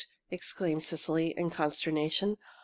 exclaimed Cecily, in consternation.